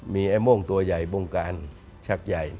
มีไอ้โม่งตัวใหญ่บ่งการชักใหญ่